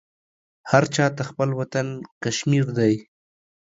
هر چاته خپل وطن کشمير دى.